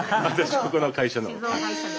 私ここの会社の。